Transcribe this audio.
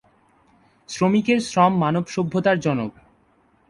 শ্রমিকের শ্রম মানবসভ্যতার জনক।